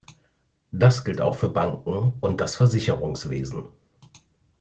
Das gilt auch für Banken und das Versicherungswesen.